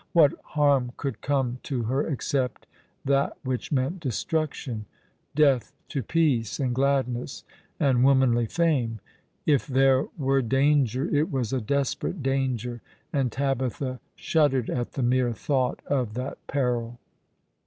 What harm could come to her except that which meant destruction — death to peace, and gladness, and womanly fame ? If there were danger it was a desperate danger, and Tabitha shuddered at the mere thought of that peril.